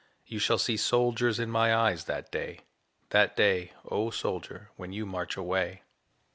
You shall see soldiers in my eyes that day That day, O soldier, when you march away.